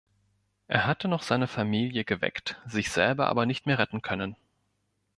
Er hatte noch seine Familie geweckt, sich selber aber nicht mehr retten können.